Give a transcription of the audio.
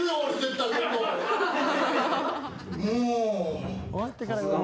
もう。